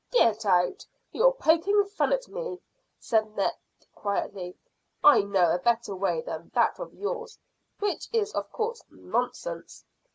"Get out! You're poking fun at me," said Ned quietly. "I know a better way than that of yours, which is of course nonsense.